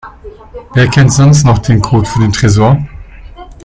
Wer kennt sonst noch den Code für den Tresor?